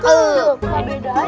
aku udah otak